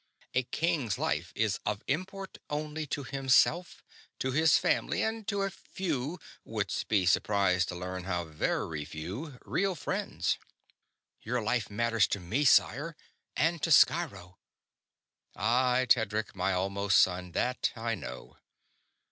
A king's life is of import only to himself, to his Family, and to a few wouldst be surprised to learn how very few real friends." "Your life matters to me, sire and to Sciro!" "Aye, Tedric my almost son, that I know.